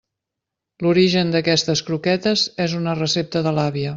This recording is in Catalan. L'origen d'aquestes croquetes és una recepta de l'àvia.